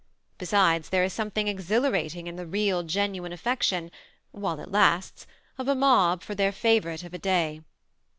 Besides, there is some thing exhilarating in the real, genuine affection (while k lasts) of a mob for their favorite of a day.